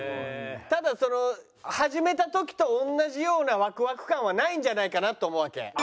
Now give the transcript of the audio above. ただその始めた時と同じようなワクワク感はないんじゃないかなと思うわけ。